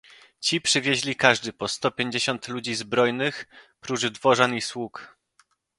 "Ci przywieźli każdy po sto pięćdziesiąt ludzi zbrojnych, prócz dworzan i sług."